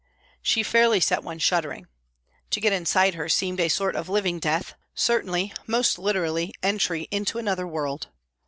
She fairly set one shuddering. To get inside her seemed a sort of living death, certainly, most literally, entry into another world.